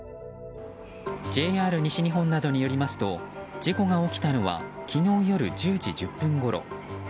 ＪＲ西日本などによりますと事故が起きたのは昨日夜１０時１０分ごろ。